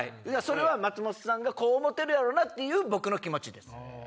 松本さんがこう思てるやろなっていう僕の気持ちです。